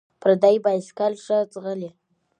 ـ پردى بايسکل ښه ځغلي.